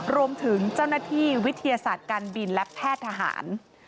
รวมถึงเจ้าหน้าที่วิทยาศาสตร์การบินและแพทย์ทหาร